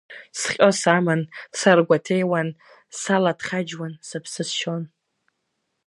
Сҟьо саман, саргәаҭеиуан, салаҭхаџьуан, сыԥсы сшьон.